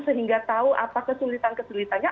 sehingga tahu apa kesulitan kesulitannya